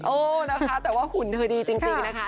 เออนะคะแต่ว่าหุ่นเธอดีจริงนะคะ